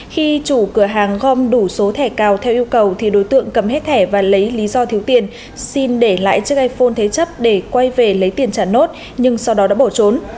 khi chủ cửa hàng gom đủ số thẻ cào theo yêu cầu thì đối tượng cầm hết thẻ và lấy lý do thiếu tiền xin để lại chiếc iphone thế chấp để quay về lấy tiền trả nốt nhưng sau đó đã bỏ trốn